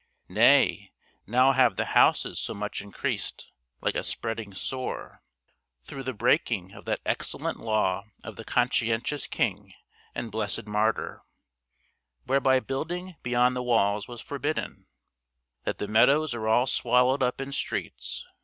Nay, now have the houses so much increased, like a spreading sore (through the breaking of that excellent law of the Conscientious King and blessed Martyr, whereby building beyond the walls was forbidden), that the meadows are all swallowed up in streets.